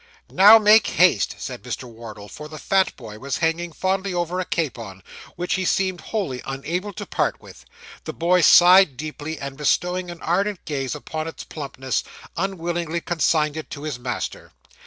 'Now make haste,' said Mr. Wardle; for the fat boy was hanging fondly over a capon, which he seemed wholly unable to part with. The boy sighed deeply, and, bestowing an ardent gaze upon its plumpness, unwillingly consigned it to his master.